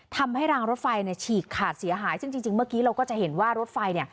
ทำให้รางรถไฟฉีกขาดเสียหายจริงเมื่อกี้เราก็จะเห็นว่ารถไฟ